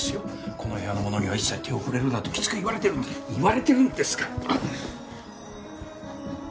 この部屋のものには一切手を触れるなときつく言われてるんで言われてるんですから！